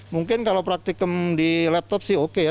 mungkin kalau praktikum di laptop sih oke ya